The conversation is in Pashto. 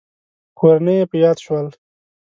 کورنۍ يې په ياد شول.